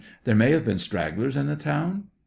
There may have been stragglers in the town ? A.